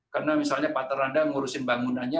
karena misalnya partner anda menguruskan bangunannya